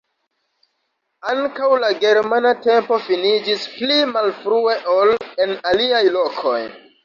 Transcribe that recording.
Ankaŭ la germana tempo finiĝis pli malfrue ol en aliaj lokoj.